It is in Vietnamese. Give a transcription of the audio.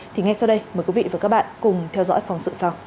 thế bộ cháu lấy năm vé thì có bớt không